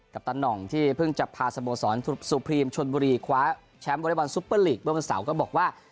ตันหน่องที่เพิ่งจะพาสโมสรสุพรีมชนบุรีคว้าแชมป์บริบอลซุปเปอร์ลีกเมื่อวันเสาร์ก็บอกว่า